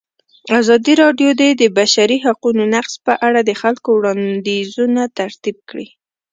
ازادي راډیو د د بشري حقونو نقض په اړه د خلکو وړاندیزونه ترتیب کړي.